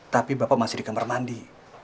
tapi bapak masih di kamar mandi